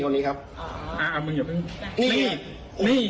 นี่นี่